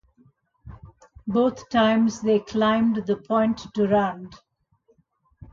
Both times they climbed the "Pointe Durand".